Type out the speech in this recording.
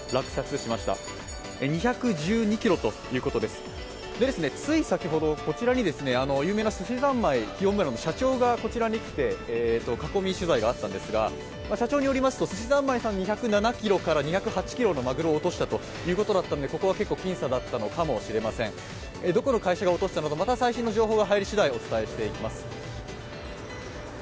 そしてつい先ほど有名なすしざんまいの社長がこちらに来て囲み取材があったんですが、社長によりますとすしざんまいさんは２０７ｋｇから２０８ｋｇのマグロを落としたということなので、ここは結構、僅差だったのかもしれませんどこの会社が落としたのか、また最新の情報が入りしだいお伝えしていきます。